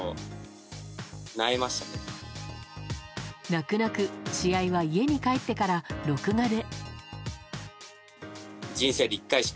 泣く泣く試合は家に帰ってから、録画で。